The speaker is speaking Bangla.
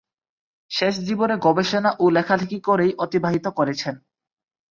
শেষ জীবনে গবেষণা ও লেখালেখি করেই অতিবাহিত করেছেন।